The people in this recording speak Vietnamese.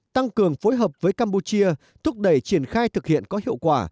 tăng cường phối hợp với campuchia thúc đẩy triển khai thực hiện có hiệu quả